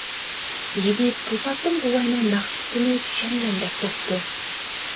يىگىت توساتتىن بوۋاينىڭ مەقسىتىنى چۈشەنگەندەك بوپتۇ.